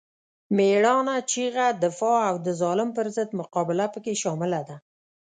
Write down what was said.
مېړانه، چیغه، دفاع او د ظالم پر ضد مقابله پکې شامله ده.